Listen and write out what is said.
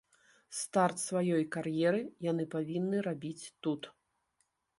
Старт сваёй кар'еры яны павінны рабіць тут.